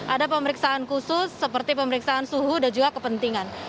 ada pemeriksaan khusus seperti pemeriksaan suhu dan juga kepentingan